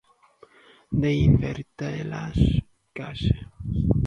De invertelas, case.